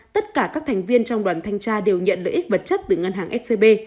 tất cả các thành viên trong đoàn thanh tra đều nhận lợi ích vật chất từ ngân hàng scb